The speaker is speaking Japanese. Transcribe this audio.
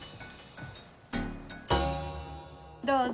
どうぞ。